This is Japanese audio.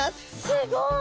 すごい！